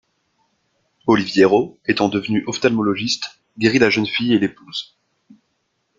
Oliviero, étant devenu ophtalmologiste, guérit la jeune fille et l'épouse.